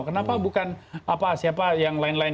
kenapa bukan siapa yang lain lain